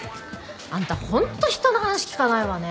あんた本当人の話聞かないわね。